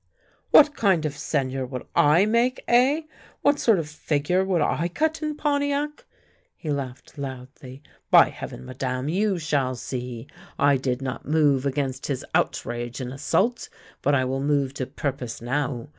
" What kind of Seigneur would I make, eh? What sort of figure would I cut in Pontiac! " He laughed loudly. " By heaven, Madame, you shall see! 1 did not move against his outrage and assault, but I will move to purpose now.